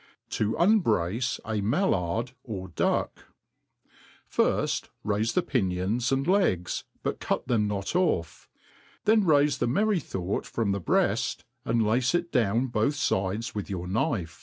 To unbrace a Mallard or Duck. FIRST, raife the pinions and legs, but Cut them not off'; then raife the merry thought from the breaft, and lace it down both fides with your knife.